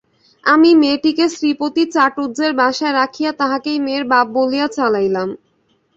আমি মেয়েটিকে শ্রীপতি চাটুজ্যের বাসায় রাখিয়া তাহাকেই মেয়ের বাপ বলিয়া চালাইলাম।